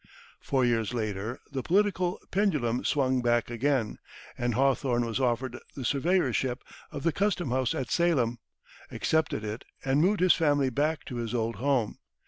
Four years later, the political pendulum swung back again, and Hawthorne was offered the surveyor ship of the custom house at Salem, accepted it, and moved his family back to his old home.